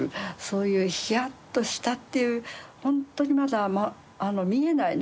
そういうヒヤッとしたっていうほんとにまだ見えない